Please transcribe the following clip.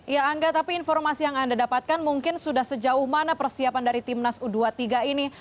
ya angga tapi informasi yang anda dapatkan mungkin sudah sejauh mana persiapan dari timnas u dua puluh tiga ini